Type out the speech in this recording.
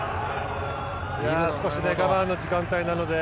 少し我慢の時間帯なので。